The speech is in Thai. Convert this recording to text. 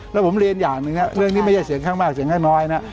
แล้วผมเรียนอย่างหนึ่งเรื่องนี้ไม่ใช่เสียงข้างมากเสียงข้างน้อยนะ